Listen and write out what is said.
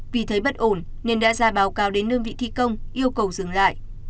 vì thấy bất ổn nên đã ra báo cáo đến đơn vị thi công yêu cầu dừng lại